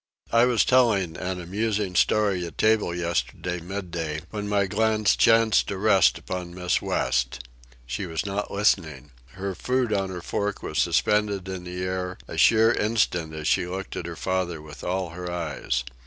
I was telling an amusing story at table yesterday midday, when my glance chanced to rest upon Miss West. She was not listening. Her food on her fork was suspended in the air a sheer instant as she looked at her father with all her eyes.